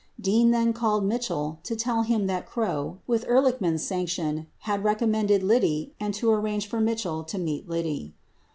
Dean then called Mitchell to tell him that Krogh, with Ehrlichman's sanc tion, had recommended Liddy and to arrange for Mitchell to meet Liddy.